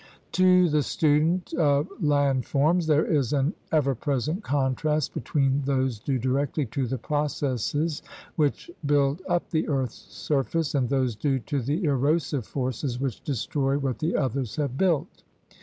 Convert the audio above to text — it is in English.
To the student of land forms there is an ever present contrast between those due directly to the processes which build up the earth's surface and those due to the erosive forces which destroy what the others have built.